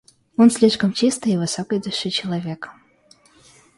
Он слишком чистый и высокой души человек.